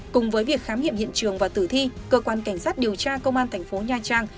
cùng với việc khám nghiệm hiện trường và tử thi cơ quan cảnh sát điều tra công an thành phố nha trang